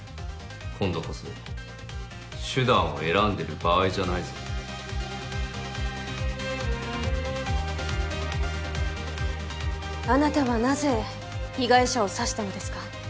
今度こそ手段を選んでる場合じゃないぞあなたはなぜ被害者を刺したのですか？